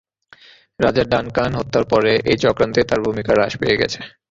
রাজা ডানকান হত্যার পরে, এই চক্রান্তে তার ভূমিকা হ্রাস পেয়ে গেছে।